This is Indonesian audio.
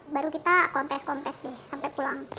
baru kita kontes kontes deh sampai pulang